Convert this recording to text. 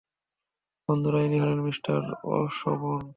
বন্ধুরা, ইনি হলেন মিস্টার অসবর্ন।